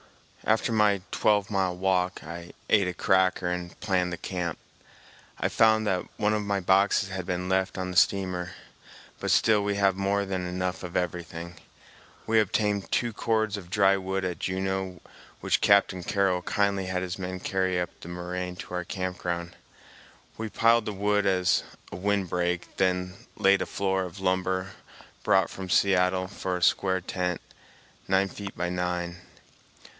After my twelve mile walk, I ate a cracker and planned the camp. I found that one of my boxes had been left on the steamer, but still we have more than enough of everything. We obtained two cords of dry wood at Juneau which Captain Carroll kindly had his men carry up the moraine to our camp ground. We piled the wood as a wind break, then laid a floor of lumber brought from Seattle for a square tent, nine feet by nine.